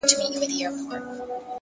هره لحظه د نوې ودې امکان لري.!